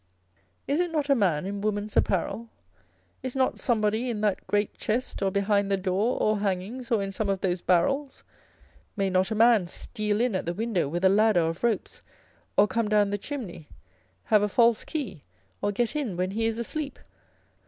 Is it not a man in woman's apparel? is not somebody in that great chest, or behind the door, or hangings, or in some of those barrels? may not a man steal in at the window with a ladder of ropes, or come down the chimney, have a false key, or get in when he is asleep?